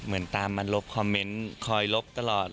เหมือนตามมาลบคอมเมนต์คอยลบตลอด